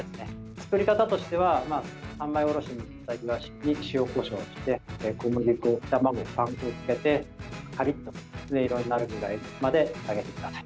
作り方としては三枚おろしにしたイワシに塩こしょうして小麦粉、卵、パン粉をつけてカリっときつね色になるくらいまで揚げてください。